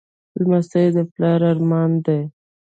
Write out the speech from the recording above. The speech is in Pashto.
لمسی د پلار ارمان دی.